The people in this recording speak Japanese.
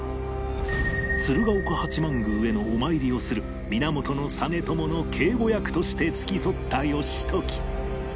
鶴岡八幡宮へのお参りをする源実朝の警護役として付き添った義時